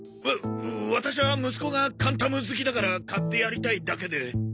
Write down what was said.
ワワタシは息子がカンタム好きだから買ってやりたいだけで。